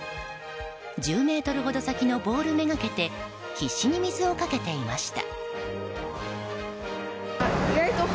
１０ｍほど先のポールめがけて必死に水をかけていました。